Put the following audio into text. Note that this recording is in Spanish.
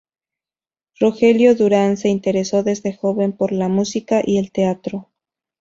Rogelio Duran se interesó desde joven por la música y el teatro.